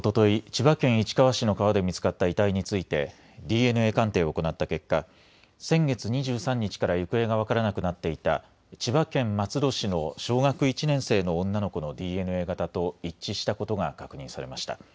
千葉県市川市の川で見つかった遺体についてＤＮＡ鑑定を行った結果、先月２３日から行方が分からなくなっていた千葉県松戸市の小学１年生の女の子のＤＮＡ型と一致したことが確認されました。